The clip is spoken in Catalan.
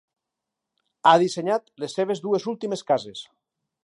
Ha dissenyat les seves dues últimes cases.